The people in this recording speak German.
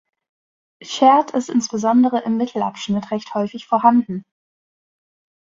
Chert ist insbesondere im Mittelabschnitt recht häufig vorhanden.